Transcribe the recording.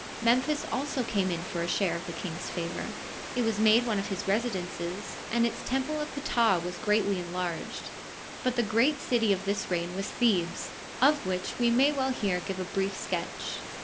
Memphis also came in for a share of the king's favor ; it was made one of his residences, and its temple of Ptah was greatly enlarged. But the gn^at city of this reien was Thebes, of which we may well here give a brief sketch.